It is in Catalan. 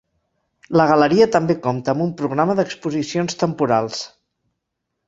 La galeria també compta amb un programa d'exposicions temporals.